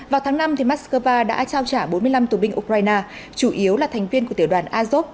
vào tháng năm moscow đã trao trả bốn mươi năm tù binh ukraine chủ yếu là thành viên của tiểu đoàn azov